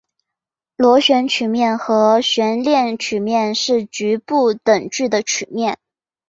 螺旋曲面和悬链曲面是局部等距的曲面。